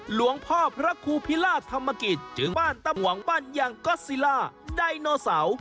หลวงพ่อพระครูพิราชธรรมกิจจึงปั้นตำหวังปั้นอย่างก็สซิล่าไดโนเสา